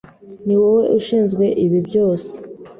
Niwowe ushinzwe ibi byose.